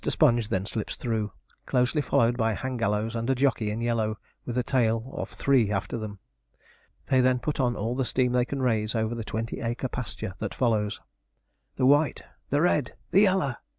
Sponge then slips through, closely followed by Hangallows and a jockey in yellow, with a tail of three after them. They then put on all the steam they can raise over the twenty acre pasture that follows. The white! the red! the yaller!